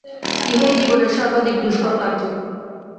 ইহাই জীবনের সর্বাধিক দুষ্কর কার্য।